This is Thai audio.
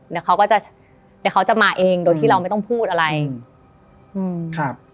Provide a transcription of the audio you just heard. เดี๋ยวเขาก็จะเดี๋ยวเขาจะมาเองโดยที่เราไม่ต้องพูดอะไรอืมครับ